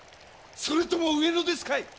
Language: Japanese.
それとも上野ですかい？